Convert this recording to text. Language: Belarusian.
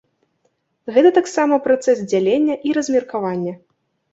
Гэта таксама працэс дзялення і размеркавання.